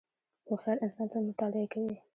• هوښیار انسان تل مطالعه کوي.